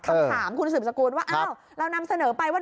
คำถามคุณศึกสกูลว่าเรานำเสนอไปว่า